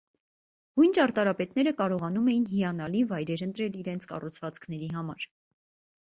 Հույն ճարտարապետները կարողանում էին հիանալի վայրեր ընտրել իրենց կառուցվածքների համար։